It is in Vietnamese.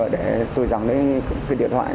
để tôi giẳng lấy cái điện thoại